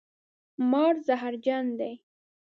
مار زهرجن دی